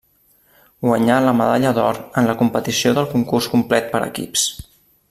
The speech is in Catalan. Guanyà la medalla d'or en la competició del concurs complet per equips.